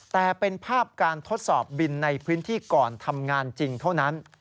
แต่เป็นภาพการทดสอบบินในพื้นที่ก่อนทำงานจริงเท่านั้น